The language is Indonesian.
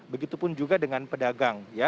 begitupun juga dengan pedagang